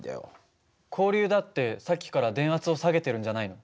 交流だってさっきから電圧を下げてるんじゃないの？